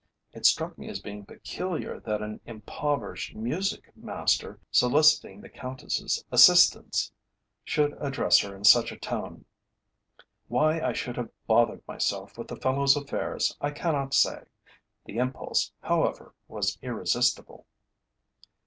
It struck me as being peculiar that an impoverished music master, soliciting the Countess's assistance, should address her in such a tone. Why I should have bothered myself with the fellow's affairs I cannot say. The impulse, however, was irresistible.